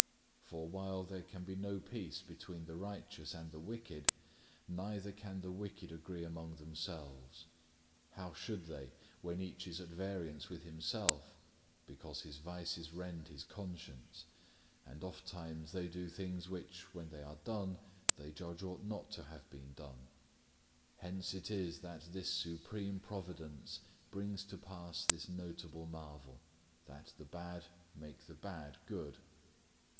For while there can be no peace between the righteous and the wicked, neither can the wicked agree among themselves. How should they, when each is at variance with himself, because his vices rend his conscience, and ofttimes they do things which, when they are done, they judge ought not to have been done. Hence it is that this supreme providence brings to pass this notable marvel that the bad make the bad good.